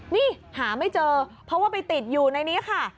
นี่หาไม่เจอเพราะว่าไปติดอยู่ในนี้ค่ะ